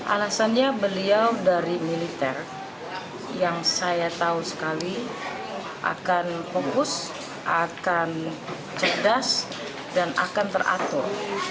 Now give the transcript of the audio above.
alasannya beliau dari militer yang saya tahu sekali akan fokus akan cerdas dan akan teratur